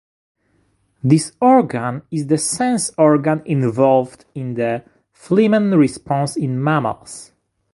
This organ is the sense organ involved in the flehmen response in mammals.